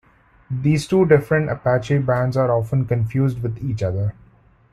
These two different Apache bands were often confused with each other.